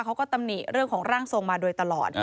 ตำหนิเรื่องของร่างทรงมาโดยตลอด